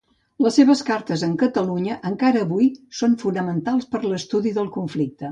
Les seves cartes amb Catalunya encara avui són fonamentals per l'estudi del conflicte.